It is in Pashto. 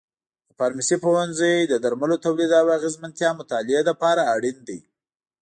د فارمسي پوهنځی د درملو تولید او اغیزمنتیا مطالعې لپاره اړین دی.